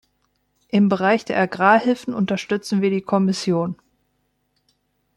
Im Bereich der Agrarhilfen unterstützen wir die Kommission.